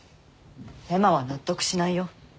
エマは納得しないよ。